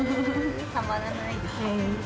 たまらないです。